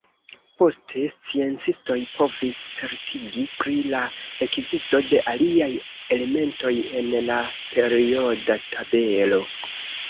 Poste, sciencistoj povis certigi pri la ekzisto de aliaj elementoj en la perioda tabelo.